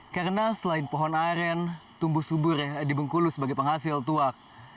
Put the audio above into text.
karena selain pohon aren tumbuh subur di bengkulu sebagai penghasil tuak